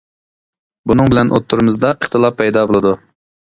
بۇنىڭ بىلەن ئوتتۇرىمىزدا ئىختىلاپ پەيدا بولىدۇ.